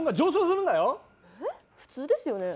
普通ですよね？